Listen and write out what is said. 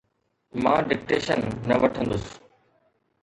مان ڊڪٽيشن نه وٺندس.